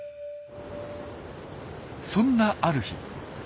そんなある日。